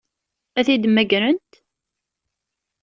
Ad t-id-mmagrent?